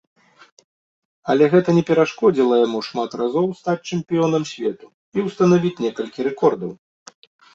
Але гэта не перашкодзіла яму шмат разоў стаць чэмпіёнам свету і ўстанавіць некалькі рэкордаў.